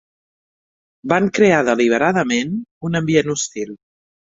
Van crear deliberadament un ambient hostil.